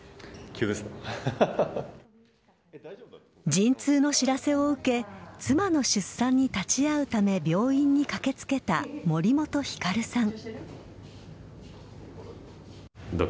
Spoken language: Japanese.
陣痛の知らせを受け妻の出産に立ち会うため病院に駆けつけた森本光さん。